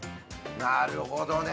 なるほどね。